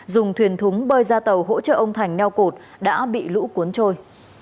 dùng thuyền thúng bơi ra tàu hỗ trợ ông thành neo cột đã bị lũ cuốn trôi